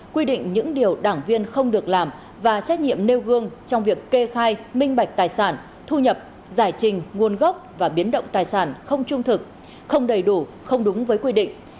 quy định những điều đảng viên không được làm và trách nhiệm nêu gương trong việc kê khai minh bạch tài sản thu nhập giải trình nguồn gốc và biến động tài sản không trung thực không đầy đủ không đúng với quy định